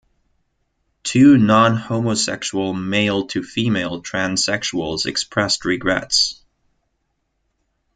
Two non-homosexual male-to-female transsexuals expressed regrets.